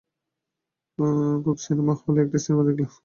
কুকসিনেমা হলে একটা সিনেমা দেখলাম।